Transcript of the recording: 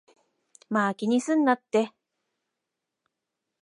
まぁ、気にすんなって